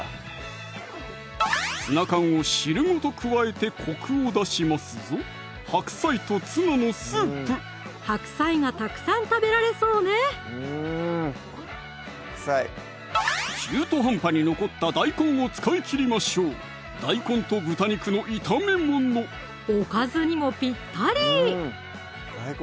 ツナ缶を汁ごと加えてコクを出しますぞ白菜がたくさん食べられそうね中途半端に残った大根を使い切りましょうおかずにもぴったり！